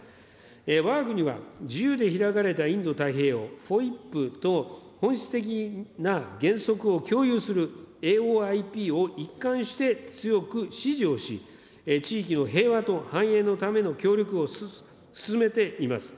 わが国は自由で開かれたインド太平洋・ＦＯＩＰと本質的な原則を共有するＡＯＩＰを一貫して強く支持をし、地域の平和と繁栄のための協力を進めています。